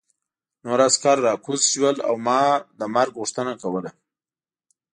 نور عسکر راکوز شول او ما د مرګ غوښتنه کوله